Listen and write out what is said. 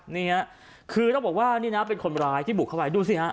นี่ฮะคือต้องบอกว่านี่นะเป็นคนร้ายที่บุกเข้าไปดูสิฮะ